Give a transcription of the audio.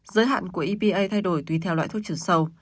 giới hạn của epa thay đổi tùy theo loại thuốc trừ sâu